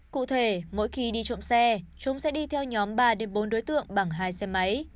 cụ thể mỗi khi đi trộm xe chúng sẽ đi theo nhóm ba bốn đối tượng bằng hai xe máy